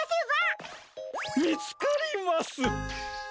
みつかります！